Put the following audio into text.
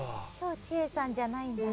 馮智英さんじゃないんだ。